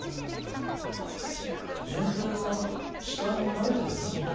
順平は死体に慣れてるの？